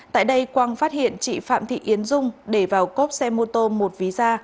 tại đây quang phát hiện chị phạm thị yến dung để vào cốp xe mô tô một ví da